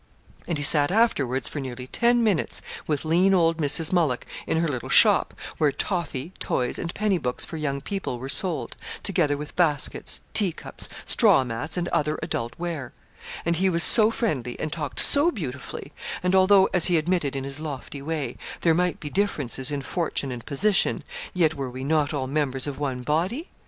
And he sat afterwards, for nearly ten minutes, with lean old Mrs. Mullock, in her little shop, where toffey, toys, and penny books for young people were sold, together with baskets, tea cups, straw mats, and other adult ware; and he was so friendly and talked so beautifully, and although, as he admitted in his lofty way, 'there might be differences in fortune and position,' yet were we not all members of one body?